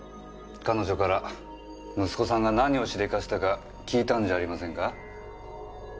彼女から息子さんが何をしでかしたか聞いたんじゃありませんか？